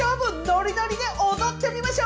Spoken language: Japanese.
ノリノリで踊ってみましょう！